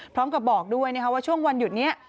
พร้อมกับบอกด้วยนะคะว่าช่วงวันหยุดนี้